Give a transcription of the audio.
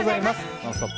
「ノンストップ！」